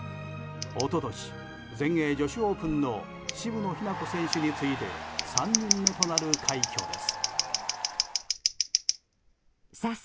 一昨年、全英女子オープンの渋野日向子選手に次いで３人目となる快挙です。